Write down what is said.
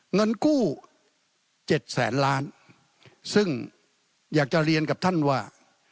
เงินกู้เจ็ดแสนล้านซึ่งอยากจะเรียนกับท่านว่า